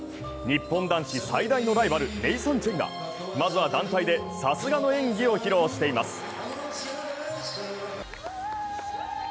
日本男子最大のライバル、ネイサン・チェンがまずは団体でさすがの演技を披露しています。